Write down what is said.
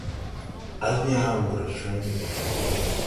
À yãã wɔ ree cwãy debaŋ.